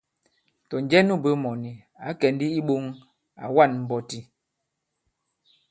Tɔ̀ njɛ nu bwě mɔ̀ni, ǎ kɛ̀ ndi i iɓōŋ, à wa᷇n mbɔti.